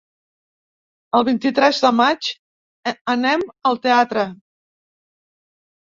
El vint-i-tres de maig anem al teatre.